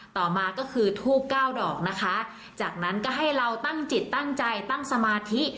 ต่อมาก็คือทูบเก้าดอกนะคะจากนั้นก็ให้เราตั้งจิตตั้งใจตั้งสมาธิ